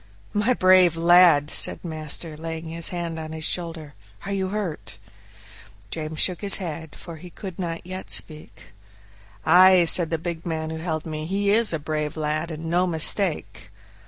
"My brave lad!" said master, laying his hand on his shoulder, "are you hurt?" James shook his head, for he could not yet speak. "Ay," said the big man who held me; "he is a brave lad, and no mistake."